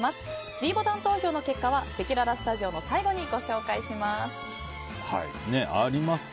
ｄボタン投票の結果はせきららスタジオの最後にありますか？